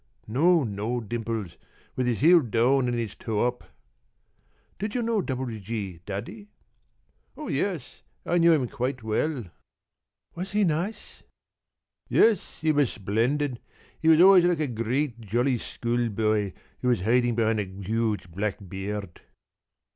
p> "No, no, Dimples. With his heel down and his toe up." "Did you know W.G., Daddy?" "Oh, yes, I knew him quite well." "Was he nice?" "Yes, he was splendid. He was always like a great jolly schoolboy who was hiding behind a huge black beard."